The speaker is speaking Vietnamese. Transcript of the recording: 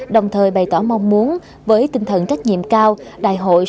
đồng thời bày tỏ mong muốn với tinh thần trách nhiệm cao